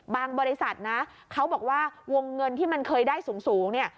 บริษัทนะเขาบอกว่าวงเงินที่มันเคยได้สูงเนี่ย